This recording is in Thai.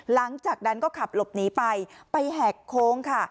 หลังจากนั้นก็ขับหลบหนีไปไปแหกโค้งค่ะ